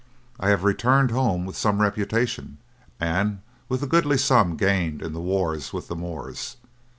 I have returned home with some reputation, and with a goodly sum gained in the wars with the Moors.